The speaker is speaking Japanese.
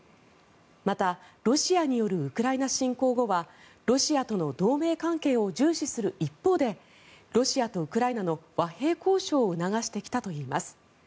また、ロシアによるウクライナ侵攻後はロシアとの同盟関係を重視する一方でロシアとウクライナの和平交渉を促してきたといいます。